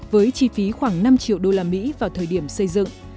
với chi phí khoảng năm triệu usd vào thời điểm xây dựng